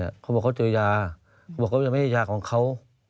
เขาบอกเขาเจอยาเขาบอกเขายังไม่ใช่ยาของเขา